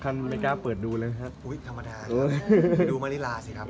อันนั้นคือแบบ